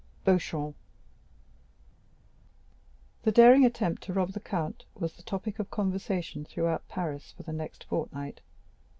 Beauchamp The daring attempt to rob the count was the topic of conversation throughout Paris for the next fortnight.